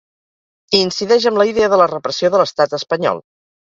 I incideix amb la idea de la repressió de l’estat espanyol.